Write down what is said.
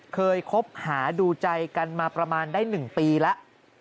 เคยคบหาดูใจกันมาประมาณได้๑ปีแล้ว